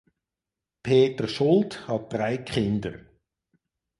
Peter Schuldt hat drei Kinder.